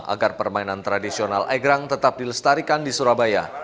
agar permainan tradisional egrang tetap dilestarikan di surabaya